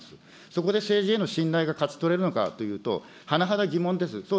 そこで政治への信頼が勝ち取れるのかというと、甚だ疑問です。